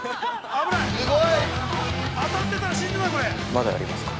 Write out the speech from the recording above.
◆まだやりますか。